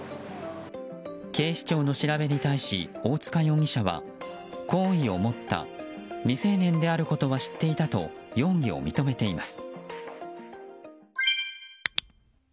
警視庁の調べに対し大塚容疑者は、好意を持った未成年であることは知っていたと容疑を認めています。